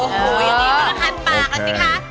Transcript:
โอ้โฮอย่างนี้ก็ถ่านปากอะไรสิคะ